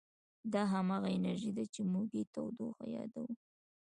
دا همغه انرژي ده چې موږ یې تودوخه یادوو.